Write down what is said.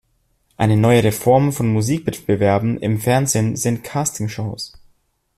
Eine neuere Form von Musikwettbewerben im Fernsehen sind Castingshows.